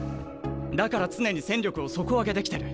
だから常に戦力を底上げできてる。